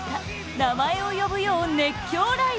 「名前を呼ぶよ」を熱狂ライブ！